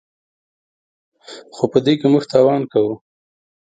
خو په دې کې موږ تاوان کوو.